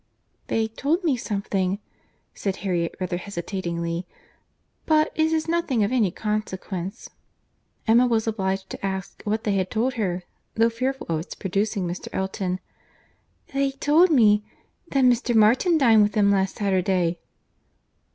"They told me something," said Harriet rather hesitatingly; "but it is nothing of any consequence." Emma was obliged to ask what they had told her, though fearful of its producing Mr. Elton. "They told me—that Mr. Martin dined with them last Saturday."